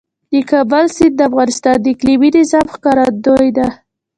د کابل سیند د افغانستان د اقلیمي نظام ښکارندوی ده.